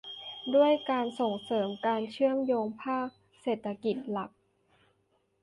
ด้วยการส่งเสริมการเชื่อมโยงภาคเศรษฐกิจหลัก